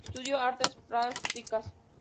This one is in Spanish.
Estudió artes plásticas.